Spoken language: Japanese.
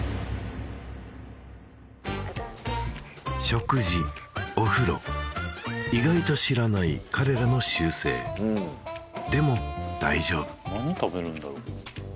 食事お風呂意外と知らない彼らの習性でも大丈夫何食べるんだろ